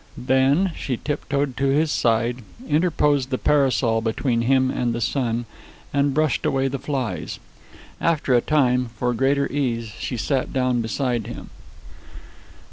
Then she tiptoed to his side, interposed the parasol between him and the sun, and brushed away the flies. After a time, for greater ease, she sat down beside him.